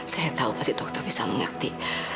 saya tahu pasti dokter bisa mengerti